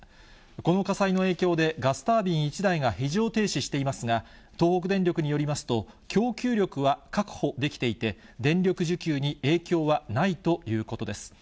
この火災の影響で、ガスタービン１台が非常停止していますが、東北電力によりますと、供給力は確保できていて、電力需給に影響はないということです。